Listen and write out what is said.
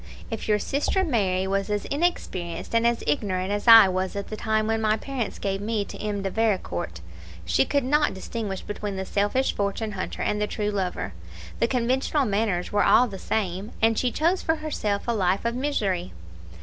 If your sister Mary was as inexperienced and as ignorant as I was at the time when my parents gave me to M. de Vericourt, she could not distinguish between the selfish fortune hunter and the true lover; the conventional manners were all the same, and she chose for herself a life of misery.